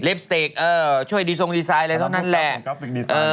สติกเออช่วยดีทรงดีไซน์อะไรเท่านั้นแหละ